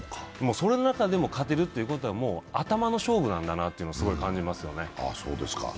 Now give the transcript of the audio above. その中でも勝てるということで頭の勝負なんだなということをすごい感じますよね。